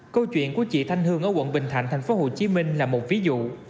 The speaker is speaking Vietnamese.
câu chuyện của chị thanh hương ở quận bình thạnh tp hcm là một ví dụ